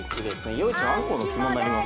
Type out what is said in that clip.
余市のアンコウの肝になります。